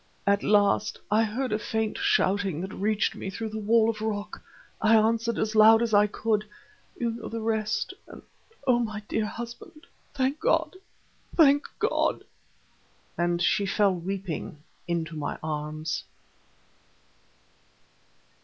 "At last I heard a faint shouting that reached me through the wall of rock. I answered as loud as I could. You know the rest; and oh, my dear husband, thank God! thank God!" and she fell weeping into my arms.